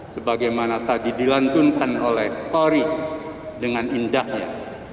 sebagaimana tadi dilantunkan oleh tori dengan indahnya